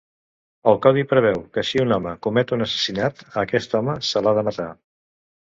El codi preveu que si un home comet un assassinat, a aquest home, se l'ha de matar.